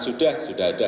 sudah sudah ada